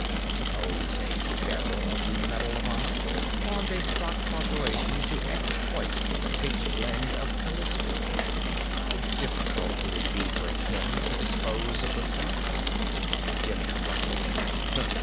Suppose a bearer of the Medal of Honor formed a stock corporation to exploit the pitchblende of Callisto. How difficult would it be for him to dispose of the stock?" Demming grunted.